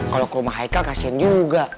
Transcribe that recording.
kalau ke rumah haikal kasian juga